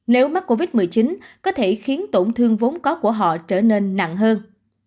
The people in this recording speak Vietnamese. nếu mắc covid một mươi chín có thể khiến tổn thương vốn có của họ trở nên nặng hơn